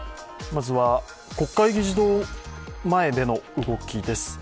まずは国会議事堂前での動きです。